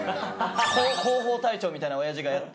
広報隊長みたいな親父がやって。